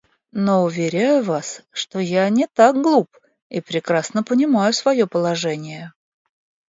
Но уверяю вас, что я не так глуп и прекрасно понимаю свое положение.